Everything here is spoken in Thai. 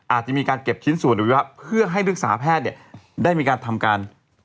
อาจจะมีการเก็บทิ้งศูนย์หรือว่าให้ภัยศึกษาแพทย์ได้มีการทำการ